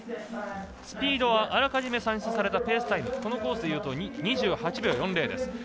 スピードはあらかじめ算出されたペースタイムこのコースでいうと２８秒４０です。